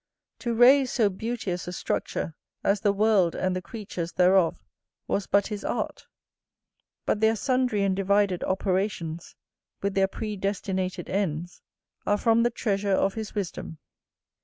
To raise so beauteous a structure as the world and the creatures thereof was but his art; but their sundry and divided operations, with their predestinated ends, are from the treasure of his wisdom.